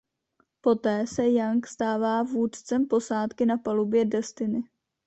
Poté se Young stává vůdcem posádky na palubě Destiny.